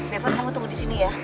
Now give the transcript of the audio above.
devon kamu tunggu disini ya